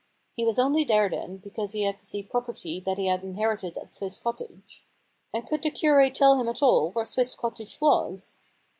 He was only there then because he had to see property that he had inherited at Swiss Cottage. And could the curate tell him at all where Swiss Cottage was